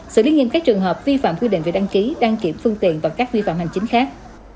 xử lý nghiêm các trường hợp vi phạm quy định về đăng ký đăng kiểm phương tiện và các vi phạm hành chính khác